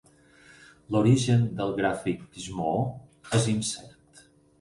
L'origen del gràfic shmoo és incert.